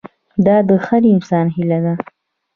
دا د هر انسان هیله ده.